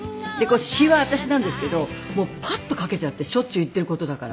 詞は私なんですけどパッと書けちゃってしょっちゅう言っている事だから。